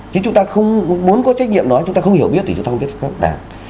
chứ chúng ta không muốn có trách nhiệm đó chúng ta không hiểu biết thì chúng ta không biết được các đảng